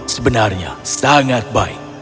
sebenarnya sangat baik